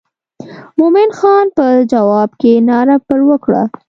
مومن خان په جواب کې ناره پر وکړه.